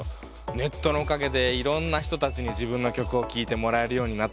ネットのおかげでいろんな人たちに自分の曲を聞いてもらえるようになったし。